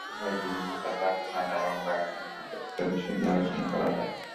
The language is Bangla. সভায় বিভিন্ন খাতে অর্থায়ন এবং ব্যাংকিং সম্পর্কিত বিষয় নিয়ে আলোচনা করা হয়।